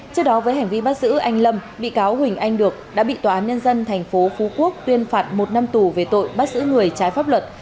trước đó với hành vi bắt giữ anh lâm bị cáo huỳnh anh được đã bị tòa án nhân dân tp phú quốc tuyên phạt một năm tù về tội bắt giữ người trái pháp luật